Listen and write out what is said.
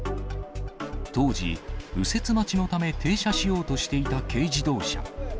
当時、右折待ちのため、停車しようとしていた軽自動車。